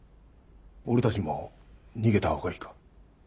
俺たちも逃げた方がいいか？